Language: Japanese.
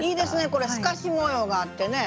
これ透かし模様があってね。